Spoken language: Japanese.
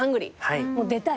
出たい。